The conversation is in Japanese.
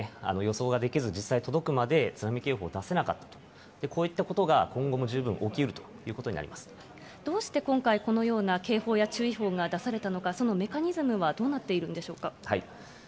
予想ができず、実際届くまで津波警報出せなかったと、こういったことが今後も十どうして今回、このような警報や注意報が出されたのか、そのメカニズムはどうなっているんでしょうか。